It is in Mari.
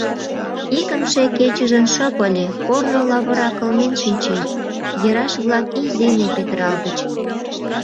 Икымше кечыжын шып ыле, корно лавыра кылмен шинче, ераш-влак ий дене петыралтыч.